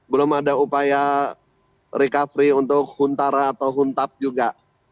belum ada upaya recovery untuk huntar atau hontap juga